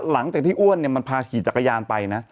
หลังจากที่อ้วนมันพาขี่จักรยานไปนะ